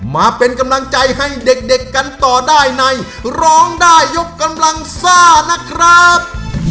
มาเป็นกำลังใจให้เด็กกันต่อได้ในร้องได้ยกกำลังซ่านะครับ